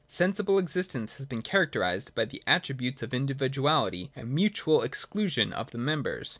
Sensible existence has been characterised by the attributes of individuality and mutual exclusion of the members.